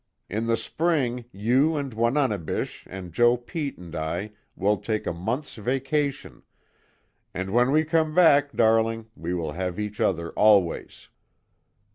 In the spring you and Wananebish, and Joe Pete and I will take a month's vacation and when we come back, darling, we will have each other always."